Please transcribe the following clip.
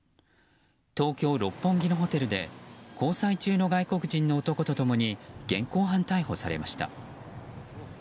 東京・六本木のホテルで交際中の外国人の男と共に現行犯逮捕されました。